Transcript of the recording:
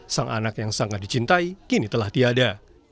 sang anak yang sangat dicintai kini telah tiada